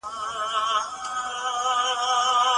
سیاسي ثبات د هیواد لپاره حیاتي دی.